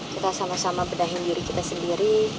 kita sama sama bedahin diri kita sendiri